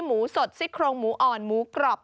หมูสดซี่โครงหมูอ่อนหมูกรอบ